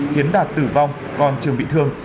khiến đạt tử vong còn trường bị thương